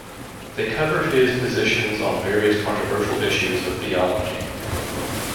They cover his positions on various controversial issues of theology.